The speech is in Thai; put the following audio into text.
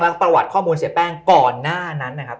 ประวัติข้อมูลเสียแป้งก่อนหน้านั้นนะครับ